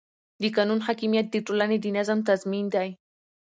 د قانون حاکمیت د ټولنې د نظم تضمین دی